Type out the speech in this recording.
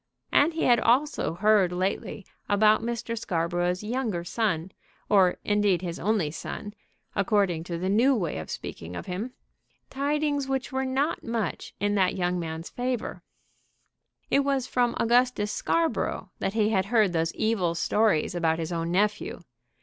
And he had also heard lately about Mr. Scarborough's younger son, or, indeed, his only son, according to the new way of speaking of him, tidings which were not much in that young man's favor. It was from Augustus Scarborough that he had heard those evil stories about his own nephew.